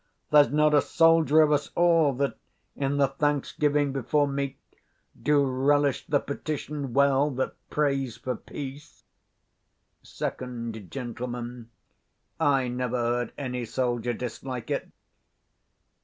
There's not a soldier of us all, that, in the thanksgiving before meat, do relish the petition well that 15 prays for peace. Sec. Gent. I never heard any soldier dislike it.